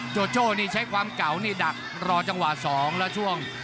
โจโจ้นี่ใช้ความเก่านี่ดักรอจังหวะ๒แล้วช่วง